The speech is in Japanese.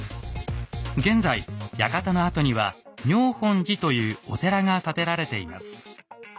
現在館の跡には妙本寺というお寺が建てられています。